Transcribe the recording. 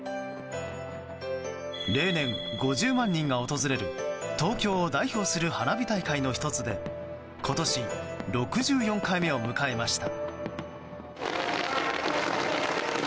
例年５０万人が訪れる東京を代表する花火大会の１つで今年６４回目を迎えました。